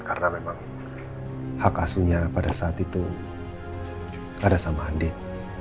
karena memang hak asuhnya pada saat itu ada sama andin